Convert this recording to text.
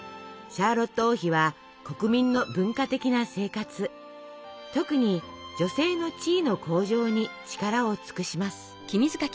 シャーロット王妃は国民の文化的な生活特に女性の地位の向上に力を尽くします。